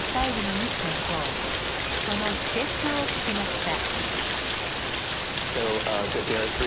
その秘けつを聞きました。